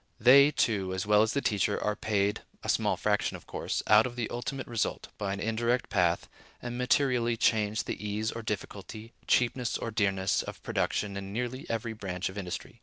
They, too, as well as the teacher, are paid (a small fraction, of course) out of the ultimate result, by an indirect path, and materially change the ease or difficulty, cheapness or dearness, of production in nearly every branch of industry.